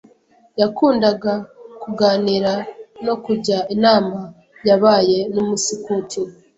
Yakundaga kuganira no kujya inama. Yabaye n’umusikuti.